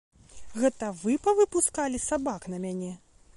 Гэта вы павыпускалі сабак на мяне?!